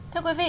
thưa quý vị